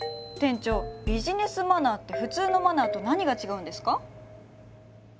店長ビジネスマナーって普通のマナーと何が違うんですか？